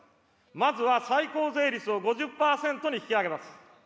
まずは最高税率を５０％に引き上げます。